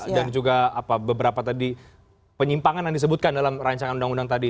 iya dan juga apa beberapa tadi penyimpangan yang disebutkan dalam rancangan undang undang tadi itu